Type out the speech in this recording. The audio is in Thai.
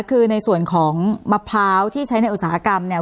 คือในส่วนของมะพร้าวที่ใช้ในอุตสาหกรรมเนี่ย